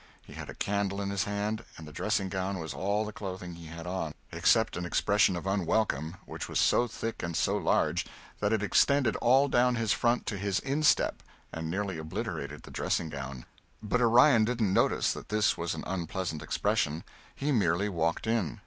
He had a candle in his hand and the dressing gown was all the clothing he had on except an expression of unwelcome which was so thick and so large that it extended all down his front to his instep and nearly obliterated the dressing gown. But Orion didn't notice that this was an unpleasant expression. He merely walked in.